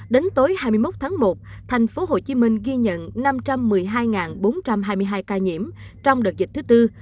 đến tối hai mươi một tháng một thành phố hồ chí minh ghi nhận năm trăm một mươi hai bốn trăm hai mươi hai ca nhiễm trong đợt dịch thứ tư